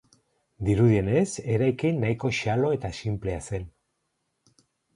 Dirudienez, eraikin nahiko xalo eta sinplea zen.